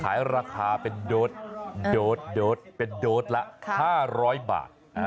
ขายราคาเป็นโดดแล้ว๕ร้อยบาท